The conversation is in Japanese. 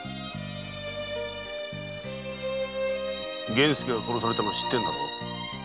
源助が殺されたのを知ってるだろう。